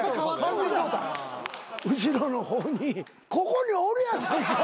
後ろの方にここにおるやないか。